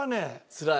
つらい。